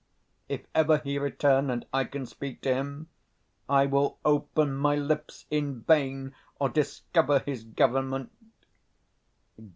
If ever he return and I can speak to him, I will open my lips in vain, or discover his government.